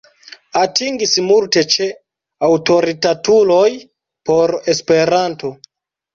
Atingis multe ĉe aŭtoritatuloj por Esperanto.